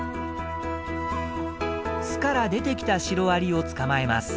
巣から出てきたシロアリを捕まえます。